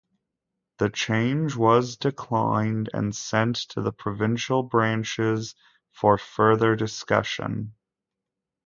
The change was declined and sent to the provincial branches for further discussion.